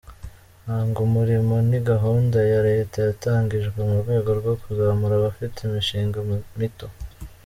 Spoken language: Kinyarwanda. Hanga umurimo ni gahunda ya leta yatangijwe mu rwego rwo kuzamura abafite imishinga mito.